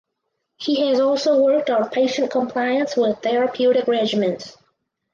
He has also worked on patient compliance with therapeutic regimens.